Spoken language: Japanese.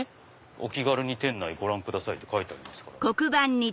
「お気軽に店内ご覧ください」って書いてありますから。